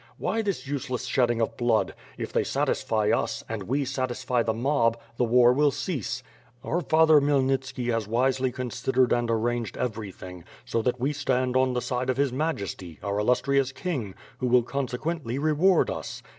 Why this useless shedding of blood? If they satisfy us, and we satisfy the mob, the war will cease. Our father Khmyelnitski has wisely considered and arranged everything, so that we stand on the side of his Majesty, our illustrious King, who will consequently reward us.